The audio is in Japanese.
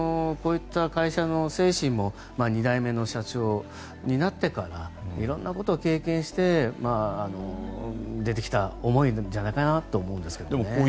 だからこういった会社の精神も２代目の社長になってから色んなことを経験して出てきた思いじゃないかなと思うんですけどね。